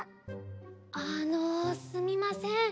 あのすみません。